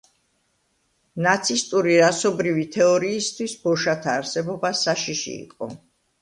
ნაცისტური რასობრივი თეორიისთვის ბოშათა არსებობა საშიში იყო.